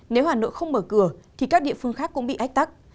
nếu hà nội không mở cửa thì các địa phương khác cũng bị ách tắc